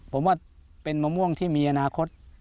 ผมว่าเป็นมะม่วงที่มีอนาคต